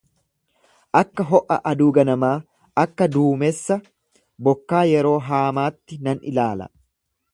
Akka ho'a aduu ganamaa, akka duumessa bokkaa yeroo haamaatti nan ilaala.